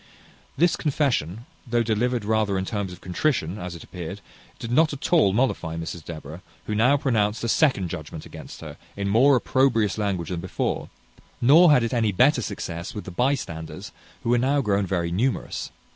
This confession, though delivered rather in terms of contrition, as it appeared, did not at all mollify Mrs Deborah, who now pronounced a second judgment against her, in more opprobrious language than before; nor had it any better success with the bystanders, who were now grown very numerous.